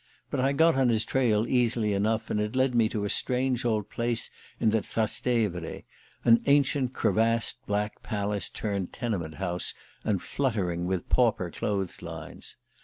But I got on his trail easily enough, and it led me to a strange old place in the Trastevere, an ancient crevassed black palace turned tenement house, and fluttering with pauper clothes lines.